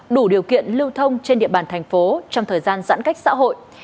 đủ điều kiện lưu thông trên địa bàn thành phố trong thời gian giãn cách xã hội